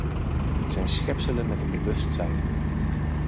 Het zijn schepselen met een bewustzijn.